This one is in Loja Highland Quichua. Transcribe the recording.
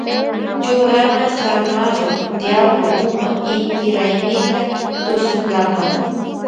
Churana zamarro diablo huma inti raymita tushunkapa.